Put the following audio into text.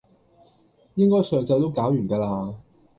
應該上晝都搞完㗎啦